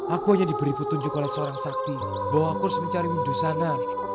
aku hanya diberi petunjuk oleh seorang sakti bahwa aku harus mencari windusana